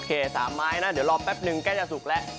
โอเค๓ไม้นะเดี๋ยวรอแป๊บนึงก็จะสุกและ